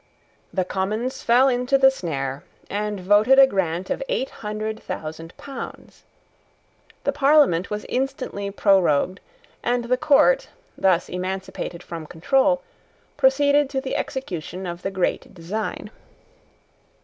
The Commons fell into the snare, and voted a grant of eight hundred thousand pounds. The Parliament was instantly prorogued; and the court, thus emancipated from control, proceeded to the execution of the great design.